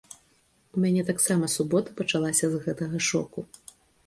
У мяне таксама субота пачалася з гэтага шоку.